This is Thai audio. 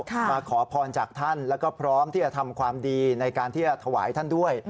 มาขอพรจากท่านแล้วก็พร้อมที่จะทำความดีในการที่จะถวายท่านด้วย